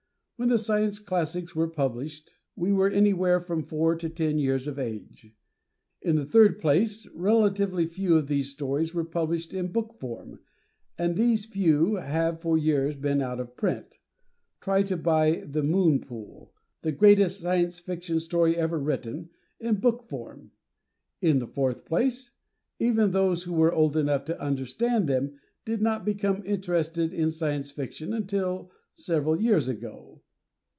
When the science classics were published, we were anywhere from four to ten years of age. In the third place, relatively few of these stories were published in book form, and these few have for years been out of print. Try to buy "The Moon Pool," the greatest Science Fiction story ever written, in book form. In the fourth place, even those who were old enough to understand them did not become interested in Science Fiction until several years ago.